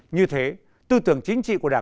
như thế tư tưởng chính trị của đảng